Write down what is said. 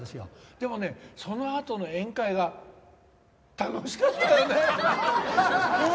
でもねそのあとの宴会が楽しかったよねえ！